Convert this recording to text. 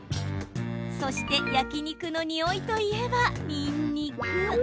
そして焼き肉のにおいといえばニンニク。